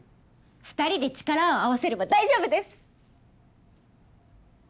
２人で力を合わせれば大丈夫です